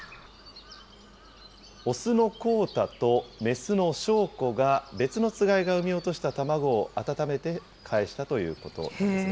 雄のコウタと雌のショウコが、別のつがいが産み落とした卵を温めてかえしたということです。